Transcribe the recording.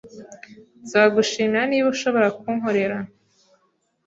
Nzagushimira niba ushobora kunkorera